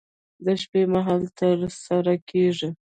د شپې مهال ترسره کېږي.